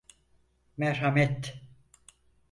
Merhamet!